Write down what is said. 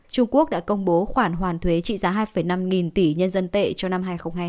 trung quốc đã công bố khoản hoàn thuế trị giá hai năm nghìn tỷ nhân dân tệ cho năm hai nghìn hai mươi hai